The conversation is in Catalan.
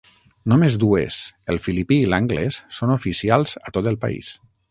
Només dues, el filipí i l'anglès són oficials a tot el país.